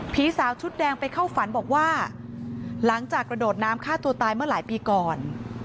ผีสาวชุดแดงไปเข้าฝันบอกว่าหลังจากกระโดดน้ำฆ่าตัวตายเมื่อหลายปีก่อน